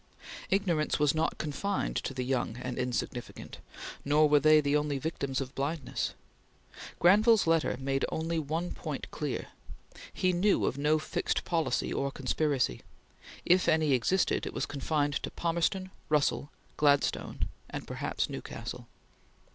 Ignorance was not confined to the young and insignificant, nor were they the only victims of blindness. Granville's letter made only one point clear. He knew of no fixed policy or conspiracy. If any existed, it was confined to Palmerston, Russell, Gladstone, and perhaps Newcastle.